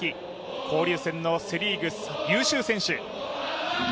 交流戦のセ・リーグ優秀選手。